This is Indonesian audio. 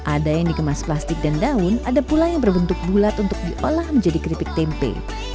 ada yang dikemas plastik dan daun ada pula yang berbentuk bulat untuk diolah menjadi keripik tempe